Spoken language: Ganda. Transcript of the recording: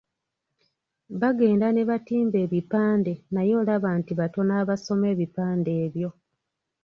Bagenda ne batimba ebipande naye olaba nti batono abasoma ebipande ebyo,